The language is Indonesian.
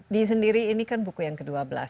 d sendiri ini kan buku yang ke dua belas